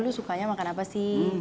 lu sukanya makan apa sih